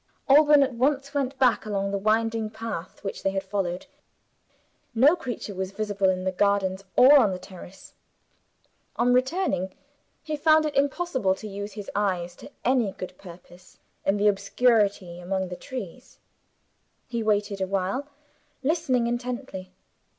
Alban at once went back, along the winding path which they had followed. No creature was visible in the gardens or on the terrace. On returning, he found it impossible to use his eyes to any good purpose in the obscurity among the trees. He waited a while, listening intently.